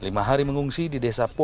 lima hari mengungsi di desa pu